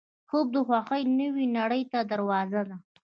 خوب د خوښۍ نوې نړۍ ته دروازه ده